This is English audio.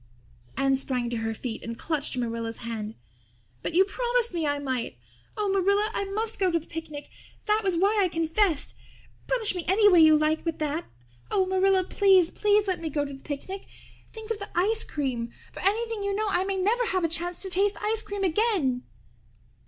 Anne sprang to her feet and clutched Marilla's hand. "But you promised me I might! Oh, Marilla, I must go to the picnic. That was why I confessed. Punish me any way you like but that. Oh, Marilla, please, please, let me go to the picnic. Think of the ice cream! For anything you know I may never have a chance to taste ice cream again."